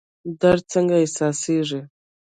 درد څنګه احساسیږي؟